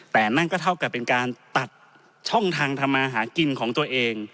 แต่นั่นก็เท่ากับเป็นการตัดช่องทางทำมาหากินของตัวเอง